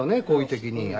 こういう時に。